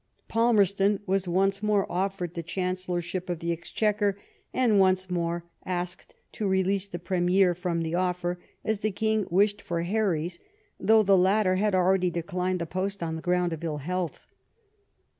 Palmerston was once more offered the Chancellorship of the Exchequer, and once more asked to release the Premier from the ofifer, as the King wished for Herries, though the latter had already declined the post on the ground of ill health.